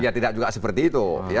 ya tidak juga seperti itu